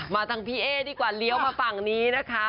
มาทางพี่เอ๊ดีกว่าเลี้ยวมาฝั่งนี้นะคะ